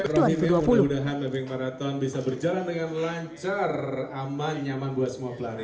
semoga maybank marathon bisa berjalan dengan lancar aman nyaman buat semua pelari